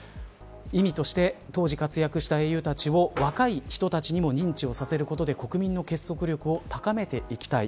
意味として当時活躍した英雄たちを若い人たちにも認知させることで国民の結束力を高めていきたい。